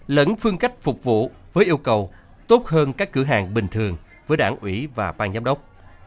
lẫn phương cách phục vụ với yêu cầu tốt hơn các cửa hàng bình thường với đảng ủy và ban giám đốc